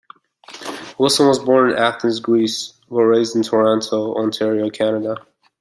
Wilson was born in Athens, Greece, but raised in Toronto, Ontario, Canada.